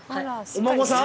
お孫さん？